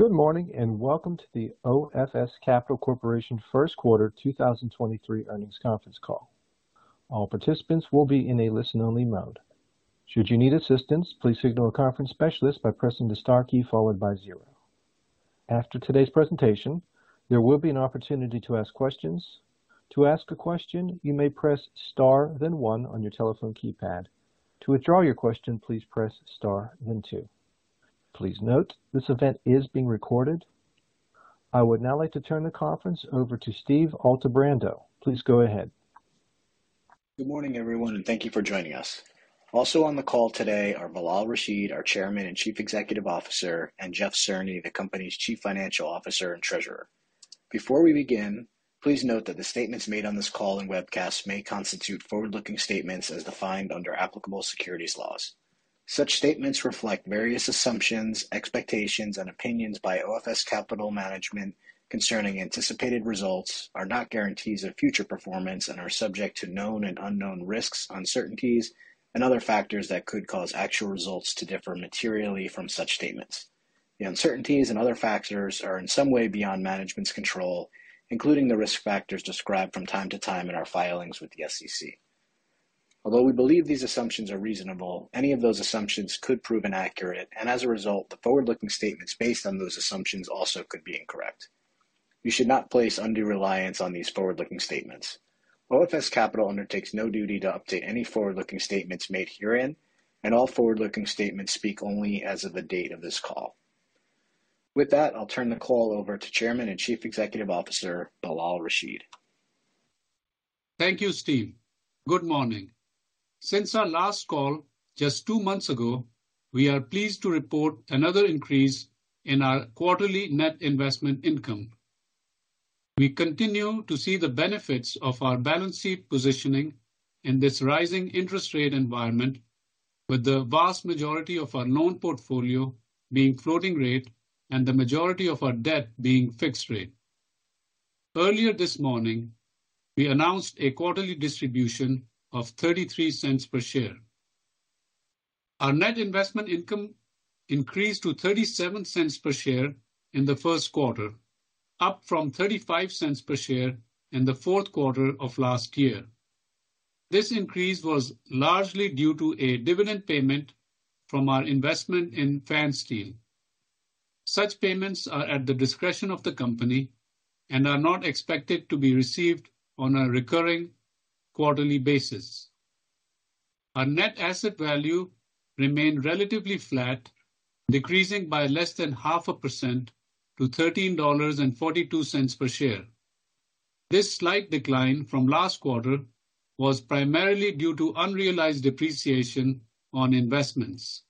Good morning. Welcome to the OFS Capital Corporation First Quarter 2023 Earnings Conference Call. All participants will be in a listen-only mode. Should you need assistance, please signal a conference specialist by pressing the star key followed by zero. After today's presentation, there will be an opportunity to ask questions. To ask a question, you may press star then one on your telephone keypad. To withdraw your question, please press star then two. Please note, this event is being recorded. I would now like to turn the conference over to Steve Altebrando. Please go ahead. Good morning, everyone, and thank you for joining us. Also on the call today are Bilal Rashid, our Chairman and Chief Executive Officer, and Jeffrey Cerny, the company's Chief Financial Officer and Treasurer. Before we begin, please note that the statements made on this call and webcast may constitute forward-looking statements as defined under applicable securities laws. Such statements reflect various assumptions, expectations, and opinions by OFS Capital Management concerning anticipated results are not guarantees of future performance and are subject to known and unknown risks, uncertainties, and other factors that could cause actual results to differ materially from such statements. The uncertainties and other factors are in some way beyond management's control, including the risk factors described from time to time in our filings with the SEC. Although we believe these assumptions are reasonable, any of those assumptions could prove inaccurate, and as a result, the forward-looking statements based on those assumptions also could be incorrect. You should not place undue reliance on these forward-looking statements. OFS Capital undertakes no duty to update any forward-looking statements made herein, and all forward-looking statements speak only as of the date of this call. With that, I'll turn the call over to Chairman and Chief Executive Officer, Bilal Rashid. Thank you, Steve. Good morning. Since our last call just two months ago, we are pleased to report another increase in our quarterly net investment income. We continue to see the benefits of our balance sheet positioning in this rising interest rate environment, with the vast majority of our loan portfolio being floating rate and the majority of our debt being fixed rate. Earlier this morning, we announced a quarterly distribution of $0.33 per share. Our net investment income increased to $0.37 per share in the first quarter, up from $0.35 per share in the fourth quarter of last year. This increase was largely due to a dividend payment from our investment in Fansteel. Such payments are at the discretion of the company and are not expected to be received on a recurring quarterly basis. Our net asset value remained relatively flat, decreasing by less than half a percent to $13.42 per share. This slight decline from last quarter was primarily due to unrealized depreciation on investments.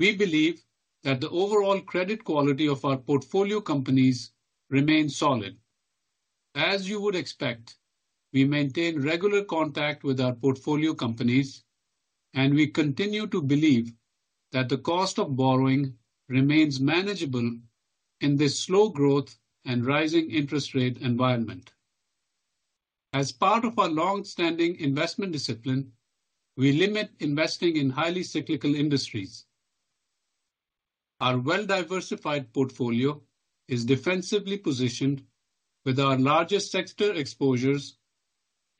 We believe that the overall credit quality of our portfolio companies remains solid. As you would expect, we maintain regular contact with our portfolio companies, and we continue to believe that the cost of borrowing remains manageable in this slow growth and rising interest rate environment. As part of our long-standing investment discipline, we limit investing in highly cyclical industries. Our well-diversified portfolio is defensively positioned with our largest sector exposures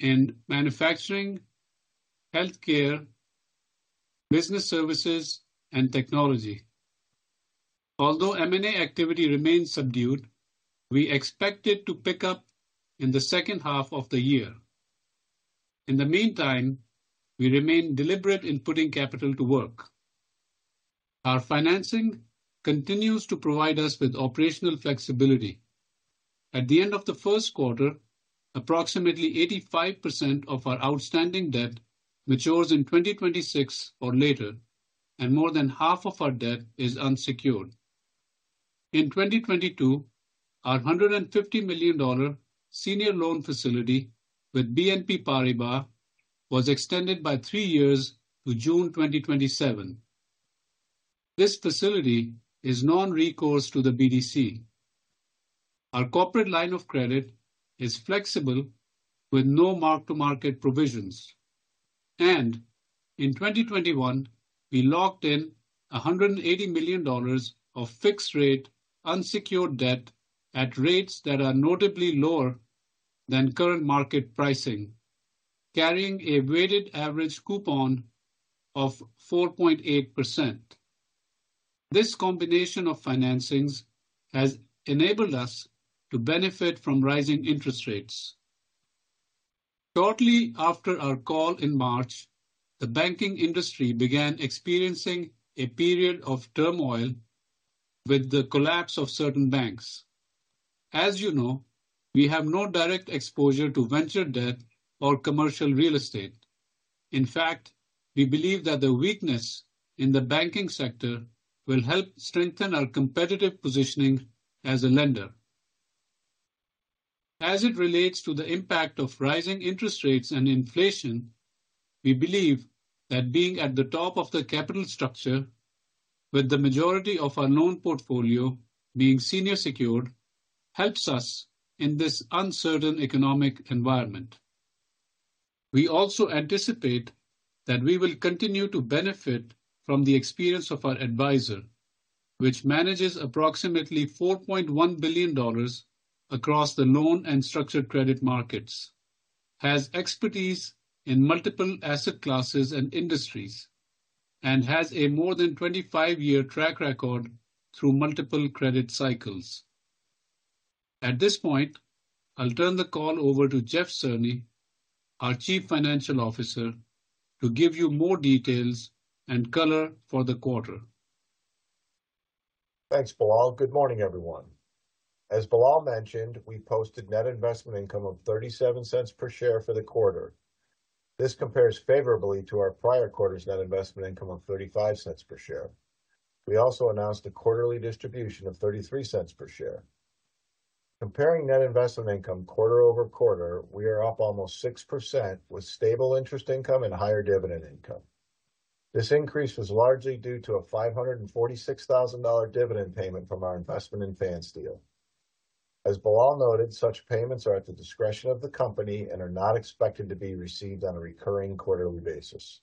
in manufacturing, healthcare, business services, and technology. Although M&A activity remains subdued, we expect it to pick up in the second half of the year. In the meantime, we remain deliberate in putting capital to work. Our financing continues to provide us with operational flexibility. At the end of the first quarter, approximately 85% of our outstanding debt matures in 2026 or later, and more than half of our debt is unsecured. In 2022, our $150 million senior loan facility with BNP Paribas was extended by three years to June 2027. This facility is non-recourse to the BDC. Our corporate line of credit is flexible with no mark-to-market provisions. In 2021, we locked in $180 million of fixed rate unsecured debt at rates that are notably lower than current market pricing, carrying a weighted average coupon of 4.8%. This combination of financings has enabled us to benefit from rising interest rates. Shortly after our call in March, the banking industry began experiencing a period of turmoil with the collapse of certain banks. As you know, we have no direct exposure to venture debt or commercial real estate. We believe that the weakness in the banking sector will help strengthen our competitive positioning as a lender. As it relates to the impact of rising interest rates and inflation, we believe that being at the top of the capital structure with the majority of our loan portfolio being senior secured, helps us in this uncertain economic environment. We also anticipate that we will continue to benefit from the experience of our advisor, which manages approximately $4.1 billion across the loan and structured credit markets, has expertise in multiple asset classes and industries, and has a more than 25-year track record through multiple credit cycles. At this point, I'll turn the call over to Jeff Cerny, our Chief Financial Officer, to give you more details and color for the quarter. Thanks, Bilal. Good morning, everyone. As Bilal mentioned, we posted net investment income of $0.37 per share for the quarter. This compares favorably to our prior quarter's net investment income of $0.35 per share. We also announced a quarterly distribution of $0.33 per share. Comparing net investment income quarter-over-quarter, we are up almost 6% with stable interest income and higher dividend income. This increase was largely due to a $546,000 dividend payment from our investment in Fansteel. As Bilal noted, such payments are at the discretion of the company and are not expected to be received on a recurring quarterly basis.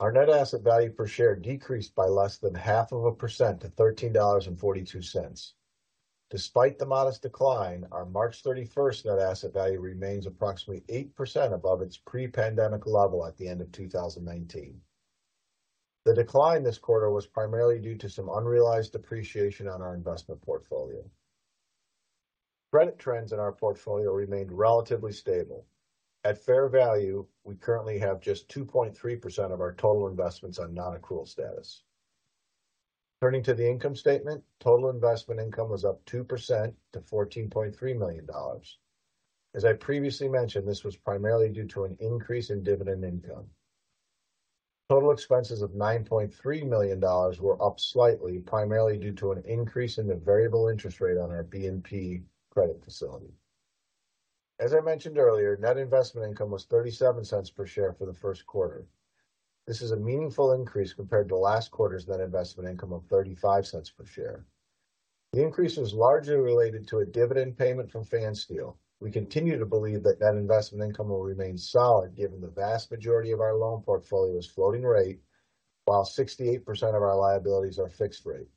Our net asset value per share decreased by less than half of a percent to $13.42. Despite the modest decline, our March 31st net asset value remains approximately 8% above its pre-pandemic level at the end of 2019. The decline this quarter was primarily due to some unrealized depreciation on our investment portfolio. Credit trends in our portfolio remained relatively stable. At fair value, we currently have just 2.3% of our total investments on non-accrual status. Turning to the income statement, total investment income was up 2% to $14.3 million. As I previously mentioned, this was primarily due to an increase in dividend income. Total expenses of $9.3 million were up slightly, primarily due to an increase in the variable interest rate on our BNP Credit Facility. As I mentioned earlier, net investment income was $0.37 per share for the first quarter. This is a meaningful increase compared to last quarter's net investment income of $0.35 per share. The increase was largely related to a dividend payment from Fansteel. We continue to believe that net investment income will remain solid given the vast majority of our loan portfolio is floating rate, while 68% of our liabilities are fixed rate,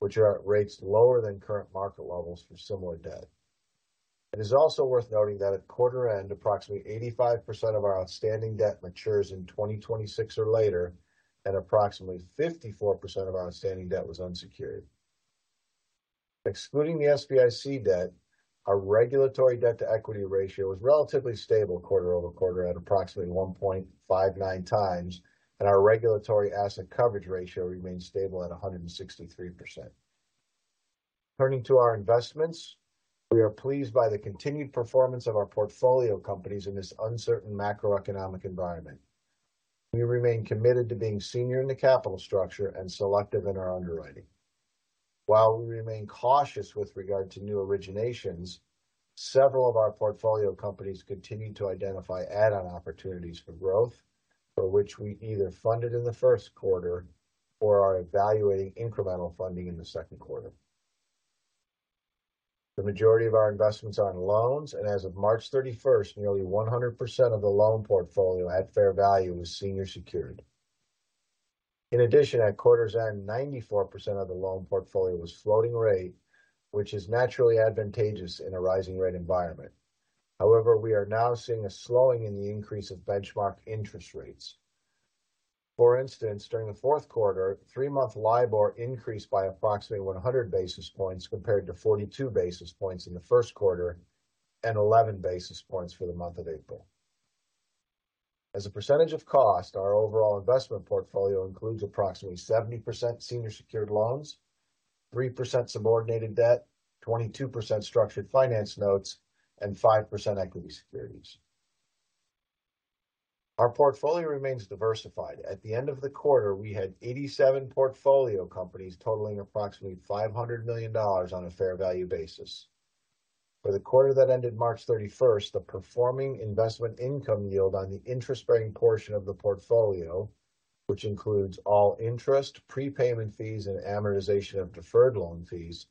which are at rates lower than current market levels for similar debt. It is also worth noting that at quarter end, approximately 85% of our outstanding debt matures in 2026 or later, and approximately 54% of our outstanding debt was unsecured. Excluding the SBIC debt, our regulatory debt-to-equity ratio was relatively stable quarter-over-quarter at approximately 1.59x, and our regulatory asset coverage ratio remains stable at 163%. Turning to our investments, we are pleased by the continued performance of our portfolio companies in this uncertain macroeconomic environment. We remain committed to being senior in the capital structure and selective in our underwriting. While we remain cautious with regard to new originations, several of our portfolio companies continue to identify add-on opportunities for growth, for which we either funded in the first quarter or are evaluating incremental funding in the second quarter. The majority of our investments are in loans, and as of March 31st, nearly 100% of the loan portfolio at fair value was senior secured. In addition, at quarters end, 94% of the loan portfolio was floating rate, which is naturally advantageous in a rising rate environment. However, we are now seeing a slowing in the increase of benchmark interest rates. For instance, during the fourth quarter, three-month LIBOR increased by approximately 100 basis points compared to 42 basis points in the first quarter and 11 basis points for the month of April. As a percentage of cost, our overall investment portfolio includes approximately 70% senior secured loans, 3% subordinated debt, 22% structured finance notes, and 5% equity securities. Our portfolio remains diversified. At the end of the quarter, we had 87 portfolio companies totaling approximately $500 million on a fair value basis. For the quarter that ended March 31st, the performing investment income yield on the interest-bearing portion of the portfolio, which includes all interest, prepayment fees, and amortization of deferred loan fees,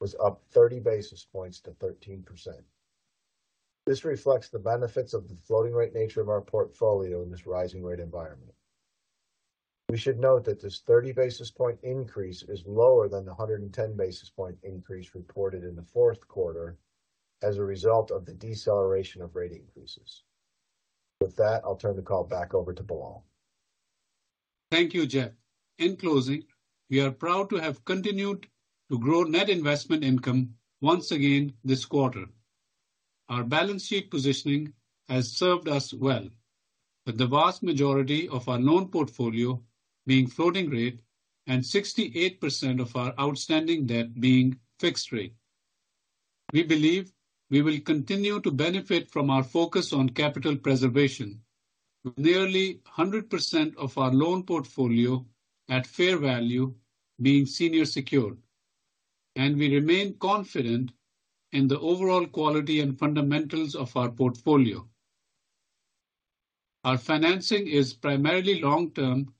was up 30 basis points to 13%. This reflects the benefits of the floating rate nature of our portfolio in this rising rate environment. We should note that this 30 basis point increase is lower than the 110 basis point increase reported in the fourth quarter as a result of the deceleration of rate increases. With that, I'll turn the call back over to Bilal. Thank you, Jeff. In closing, we are proud to have continued to grow net investment income once again this quarter. Our balance sheet positioning has served us well, with the vast majority of our loan portfolio being floating rate and 68% of our outstanding debt being fixed rate. We believe we will continue to benefit from our focus on capital preservation, with nearly 100% of our loan portfolio at fair value being senior secured, and we remain confident in the overall quality and fundamentals of our portfolio. Our financing is primarily long-term,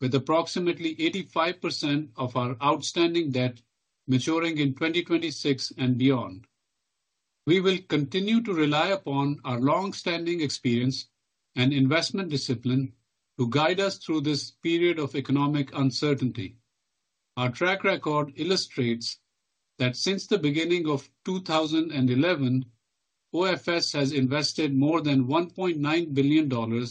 with approximately 85% of our outstanding debt maturing in 2026 and beyond. We will continue to rely upon our long-standing experience and investment discipline to guide us through this period of economic uncertainty. Our track record illustrates that since the beginning of 2011, OFS has invested more than $1.9 billion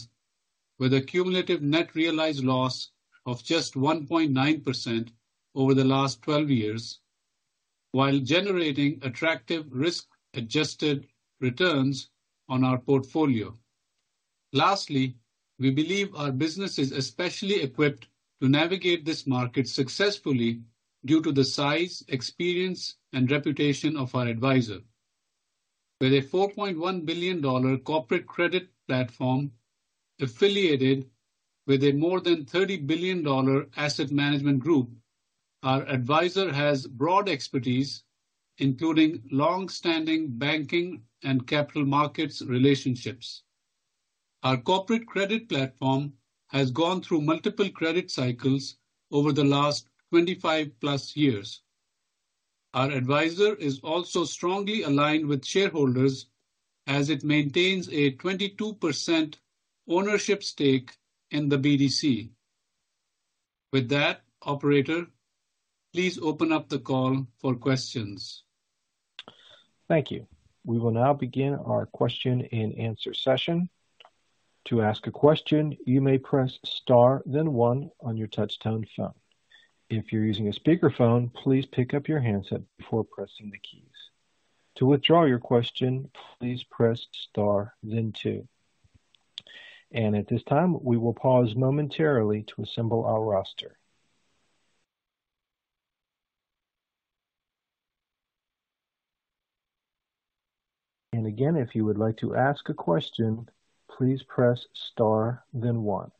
with a cumulative net realized loss of just 1.9% over the last 12 years, while generating attractive risk-adjusted returns on our portfolio. Lastly, we believe our business is especially equipped to navigate this market successfully due to the size, experience, and reputation of our advisor. With a $4.1 billion corporate credit platform affiliated with a more than $30 billion asset management group, our advisor has broad expertise, including long-standing banking and capital markets relationships. Our corporate credit platform has gone through multiple credit cycles over the last 25+ years. Our advisor is also strongly aligned with shareholders as it maintains a 22% ownership stake in the BDC. Operator, please open up the call for questions. Thank you. We will now begin our question-and-answer session. To ask a question, you may press star then one on your touchtone phone. If you're using a speakerphone, please pick up your handset before pressing the keys. To withdraw your question, please press star then two. At this time, we will pause momentarily to assemble our roster. Again, if you would like to ask a question, please press star then one.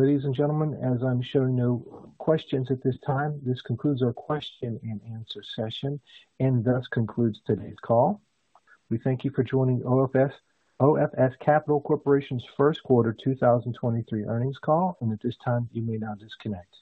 Ladies and gentlemen, as I'm showing no questions at this time, this concludes our question-and-answer session and thus concludes today's call. We thank you for joining OFS Capital Corporation's first quarter 2023 earnings call, and at this time, you may now disconnect.